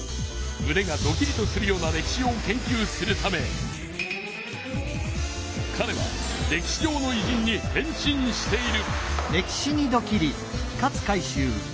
むねがドキリとするような歴史を研究するためかれは歴史上のいじんに変身している。